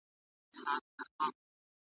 نور پوهان بيا د سياسي علم نوم ورته کاروي.